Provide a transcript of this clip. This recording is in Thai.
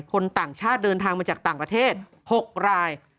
คนต่างชาติเดินทางมาจากต่างประเทศ๖ราย